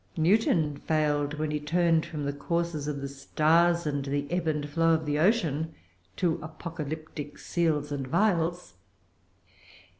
Newton failed when he turned from the courses of the stars, and the ebb and flow of the ocean, to apocalyptic seals and vials.